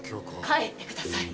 帰ってください。